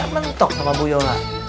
mentok sama bu yola